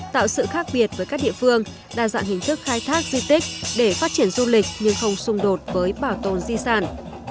tạo sự khác biệt với các địa phương đa dạng hình thức khai thác di tích để phát triển du lịch nhưng không xung đột với bảo tồn di sản